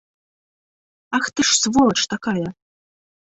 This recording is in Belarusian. Ах ты ж сволач такая!